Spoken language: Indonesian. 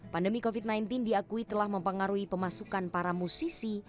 pandemi covid sembilan belas diakui telah mempengaruhi pemasukan para musisi